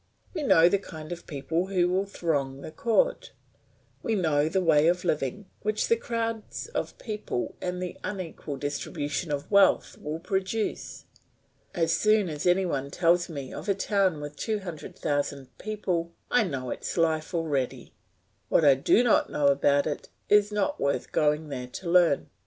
We know the kind of people who will throng the court. We know the way of living which the crowds of people and the unequal distribution of wealth will produce. As soon as any one tells me of a town with two hundred thousand people, I know its life already. What I do not know about it is not worth going there to learn.